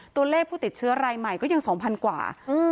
ตัวเลขผู้ติดเชื้อรายใหม่ก็ยัง๒๐๐๐กว่า